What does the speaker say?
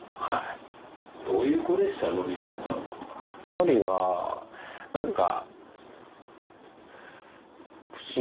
のりは何か。